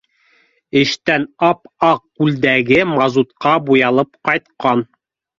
Эштән ап-аҡ күлдәге мазутҡа буялып ҡайтҡан.